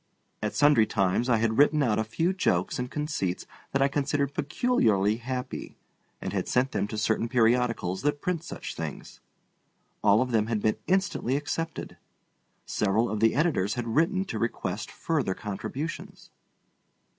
At sundry times I had written out a few jokes and conceits that I considered peculiarly happy, and had sent them to certain periodicals that print such things. All of them had been instantly accepted. Several of the editors had written to request further contributions.